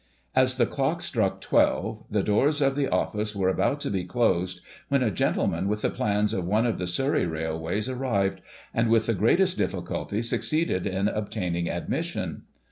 As the clock struck twelve, the doors of the office were about to be closed, when a gentleman with the plans of one of the Surrey railways arrived, and, with the greatest difficulty, succeeded in obtaining admission.